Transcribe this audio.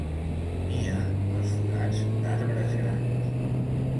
Nia als forats d'arbres grans.